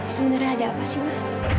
sebenarnya ada apa sih mbak